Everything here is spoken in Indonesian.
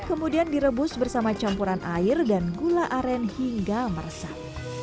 kemudian direbus bersama campuran air dan gula aren hingga meresap